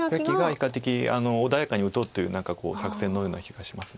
比較的穏やかに打とうという何か作戦のような気がします。